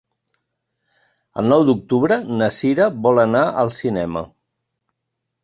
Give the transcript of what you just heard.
El nou d'octubre na Cira vol anar al cinema.